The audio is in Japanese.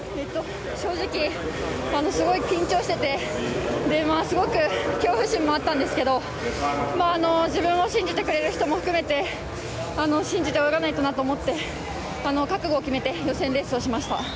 正直ものすごい緊張しててすごく恐怖心もあったんですけど自分を信じてくれる人も含めて信じて泳がないとなと思って覚悟を決めて予選レースをしました。